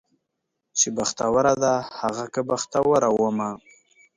چې بختوره ده هغه که بختوره ومه